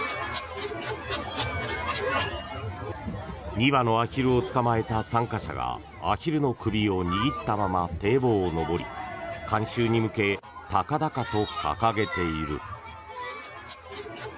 ２羽のアヒルを捕まえた参加者がアヒルの首を握ったまま堤防を上り観衆に向け高々と掲げている。